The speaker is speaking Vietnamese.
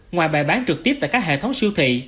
ngoài bài bán trực tiếp tại các hệ thống siêu thị